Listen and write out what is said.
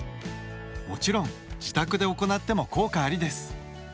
もちろん自宅で行っても効果ありです。